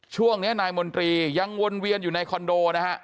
ช่วงนี้นายมนตรียังวนเวียนอยู่ในคอนโดนะฮะ